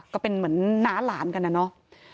ก็เป็นเหมือนน้าหลานกันนะเนาะ